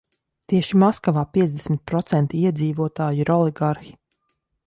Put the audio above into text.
Tieši Maskavā piecdesmit procenti iedzīvotāju ir oligarhi.